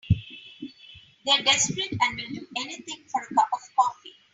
They're desperate and will do anything for a cup of coffee.